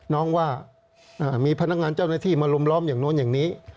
ว่ามีพนักงานเจ้าหน้าที่มารุมล้อมอย่างโน้นอย่างนี้